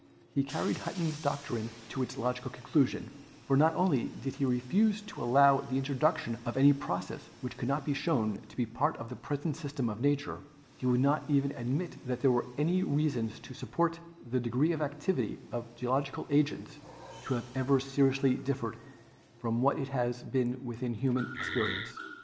He carried Hutton's doctrine to its logical conclusion, for not only did he refuse to allow the introduction of any process which could not be shown to be a part of the present system of Nature, he would not even admit that there was any reason to suppose the degree of activity of the geological agents to have ever seriously differed from what it has been within human experience.